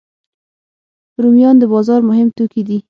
رومیان د بازار مهم توکي دي